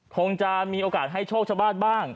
คงจะมีโอกาสให้โชคชาวบ้านบ้าง